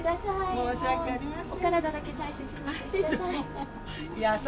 申し訳ありません。